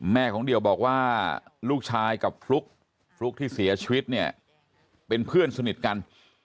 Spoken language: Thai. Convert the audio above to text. ของเดี่ยวบอกว่าลูกชายกับฟลุ๊กฟลุ๊กที่เสียชีวิตเนี่ยเป็นเพื่อนสนิทกัน